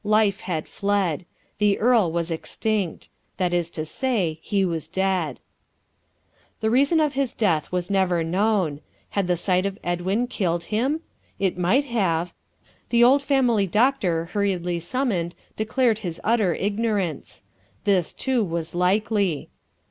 Life had fled. The earl was extinct. That is to say, he was dead. The reason of his death was never known. Had the sight of Edwin killed him? It might have. The old family doctor, hurriedly summoned, declared his utter ignorance. This, too, was likely.